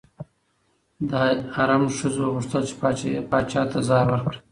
د حرم ښځو غوښتل چې پاچا ته زهر ورکړي.